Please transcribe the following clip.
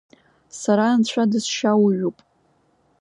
Сара Анцәа дысшьауҩуп.